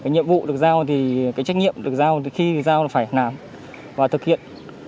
nhiệm vụ được giao thì cái trách nhiệm được giao từ khi giao là phải làm và thực hiện